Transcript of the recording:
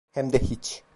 Hem de hiç.